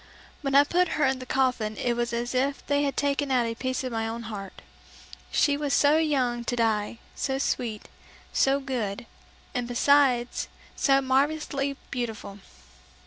When I put her in the coffin it was as if they had taken out a piece of my own heart. She was so young to die, so sweet, so good, and besides so marvelously beautiful!